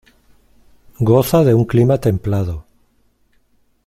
Goza de un clima templado.